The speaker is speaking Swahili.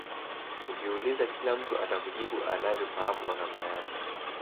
Ukiuliza kila mtu atakujibu anavyofahamu kwa namna yake